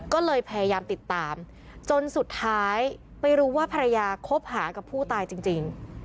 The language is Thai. ก็เลยพยายามติดตามจนสุดท้ายไปรู้ว่าภรรยาคบหากับผู้ตายจริง